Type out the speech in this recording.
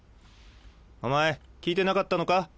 お前聞いてなかったのか？